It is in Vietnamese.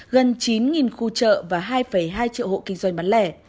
gần chín khu chợ và hai hai triệu hộ kinh doanh bán lẻ